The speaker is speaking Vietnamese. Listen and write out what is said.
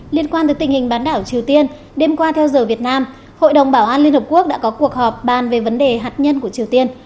liên quan tới tình hình bán đảo triều tiên đêm qua theo giờ việt nam hội đồng bảo an liên hợp quốc đã có cuộc họp bàn về vấn đề hạt nhân của triều tiên